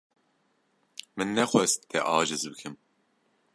Min nexwest te aciz bikim.